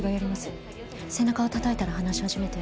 背中をたたいたら話し始めて。